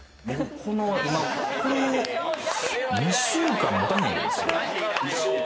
１個で２週間もたないですよ。